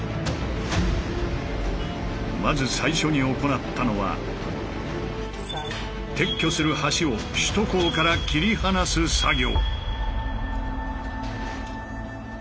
まず最初に行ったのは撤去する橋を首都高から切り離す作業。